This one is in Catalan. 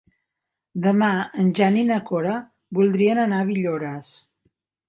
Demà en Jan i na Cora voldrien anar a Villores.